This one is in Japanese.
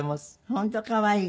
本当可愛い。